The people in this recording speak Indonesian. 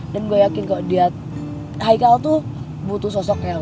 dan gue yakin kalau dia haikal tuh butuh sosoknya lo